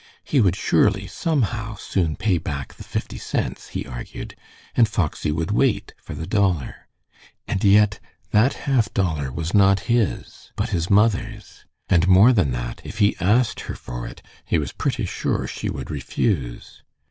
He would surely, somehow, soon pay back the fifty cents, he argued, and Foxy would wait for the dollar. And yet that half dollar was not his, but his mother's, and more than that, if he asked her for it, he was pretty sure she would refuse.